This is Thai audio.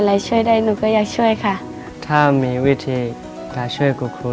ในแคมเปญพิเศษเกมต่อชีวิตโรงเรียนของหนู